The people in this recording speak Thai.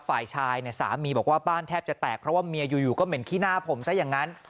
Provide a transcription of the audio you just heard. ฝ่ายชายเนี่ยสามีบอกว่าบ้านแทบจะแตกเพราะว่าเมียอยู่ก็เหม็นขี้หน้าผมซะอย่างนั้น